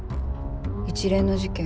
一連の事件